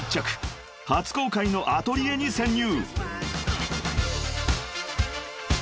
［初公開のアトリエに潜入］